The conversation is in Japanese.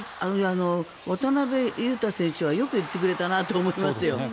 渡邊雄太選手はよく言ってくれたなと思いますよ